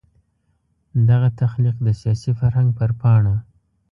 دغه تخلیق د سیاسي فرهنګ پر پاڼه.